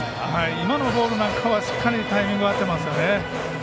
今のボールなんかはしっかりとタイミングが合ってますね。